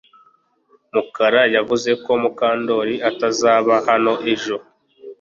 Mukara yavuze ko Mukandoli atazaba hano ejo